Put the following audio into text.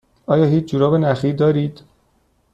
آیا هیچ جوراب نخی دارید؟